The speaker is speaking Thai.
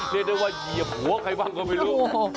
เรียกได้ว่าเหยียบหัวใครบ้างก็ไม่รู้